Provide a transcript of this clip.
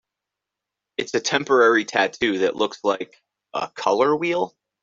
It's a temporary tattoo that looks like... a color wheel?